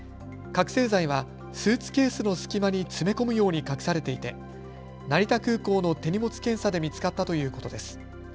覚醒剤はスーツケースの隙間に詰め込むように隠されていて成田空港の手荷物検査で見つかったということです。